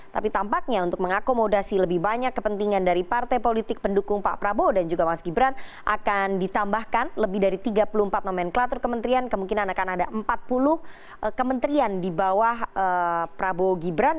tapi tampaknya untuk mengakomodasi lebih banyak kepentingan dari partai politik pendukung pak prabowo dan juga mas gibran akan ditambahkan lebih dari tiga puluh empat nomenklatur kementerian kemungkinan akan ada empat puluh kementerian di bawah prabowo gibran